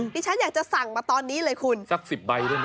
ดิฉันอยากจะสั่งมาตอนนี้เลยคุณสัก๑๐ใบได้ไหม